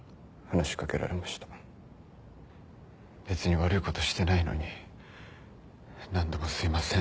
別に悪いことしてないのに何度もすいません